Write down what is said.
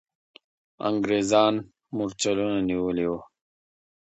انګریزان مرچلونه نیولي وو.